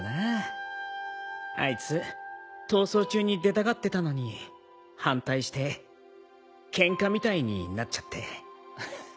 あいつ逃走中に出たがってたのに反対してケンカみたいになっちゃって。